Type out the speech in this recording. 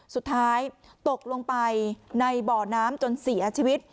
สุดท้ายตกลงไปในบ่อน้ำจนเสียชีวิต